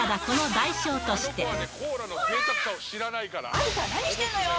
あんた、何してんのよ！